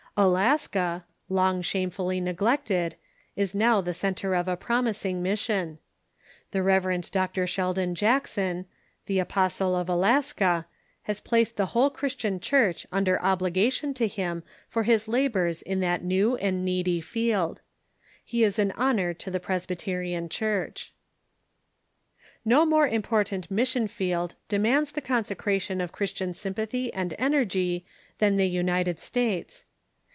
Alaska, long shamefully neglected, is now the centre of a promising mission. The Rev. Dr. Sheldon Jackson, the Apostle of Alaska, has placed the whole Christian Church under obligation to him for his labors in that new and needy field. He is an honor to the Presbyterian Church. No more important mission field demands the consecration of Christian sympathy and energy than the United States.